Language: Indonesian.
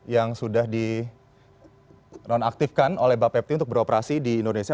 yang sudah di nonaktifkan oleh bapak pepti untuk beroperasi di indonesia